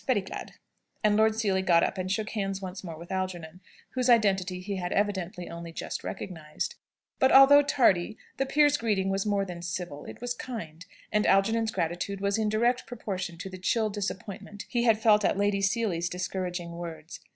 Very glad." And Lord Seely got up and shook hands once more with Algernon, whose identity he had evidently only just recognised. But, although tardy, the peer's greeting was more than civil, it was kind; and Algernon's gratitude was in direct proportion to the chill disappointment he had felt at Lady Seely's discouraging words.